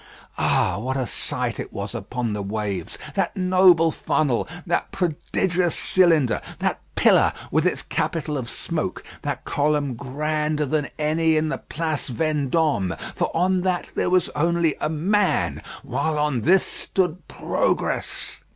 Ah! what a sight it was upon the waves, that noble funnel, that prodigious cylinder, that pillar with its capital of smoke, that column grander than any in the Place Vendôme, for on that there was only a man, while on this stood Progress.